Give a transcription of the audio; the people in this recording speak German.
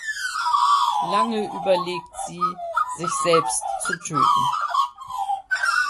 Lange überlegt sie, sich selbst zu töten.